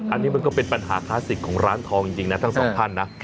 อันนี้มันก็เป็นปัญหาคลาสสิกของร้านทองจริงนะทั้งสองท่านนะ